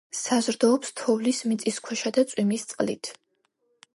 საზრდოობს თოვლის, მიწისქვეშა და წვიმის წყლით.